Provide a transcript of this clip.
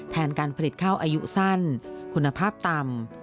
แทนการผลิตข้าวอายุสั้นคุณภาพต่ำ